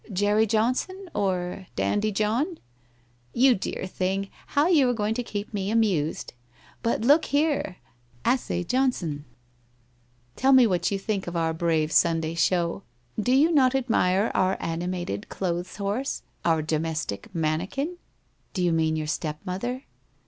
'Jerry Johnson, or Dandy John ?'' You dear thing, how you are going to keep me amused ! But look here — assez Johnson ! Tell me what you think WHITE ROSE OF WEARY LEAF 57 of our brave Sunday show? Do you not admire our ani mated clothes horse, our domestic mannequin?' 1 Do you mean your step mother